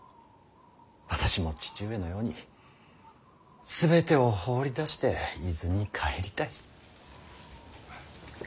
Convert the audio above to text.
私も父上のように全てを放り出して伊豆に帰りたい。